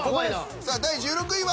さあ第１６位は。